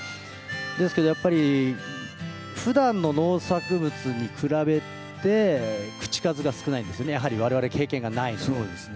ですけど、やっぱりふだんの農作物に比べて、口数が少ないんですね、やはり、われわれ経験がないので。